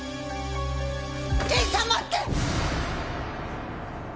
刑事さん待って！